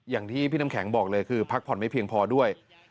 อย่างที่พี่น้ำแข็งบอกเลยคือพักผ่อนไม่เพียงพอด้วย